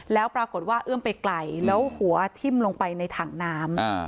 แล้วปรากฏว่าเอื้อมไปไกลแล้วหัวทิ้มลงไปในถังน้ำ